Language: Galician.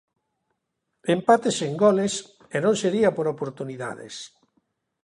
Empate sen goles, e non sería por oportunidades.